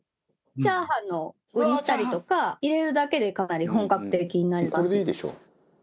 チャーハンの具にしたりとか入れるだけでかなり本格的になります。